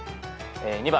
２番。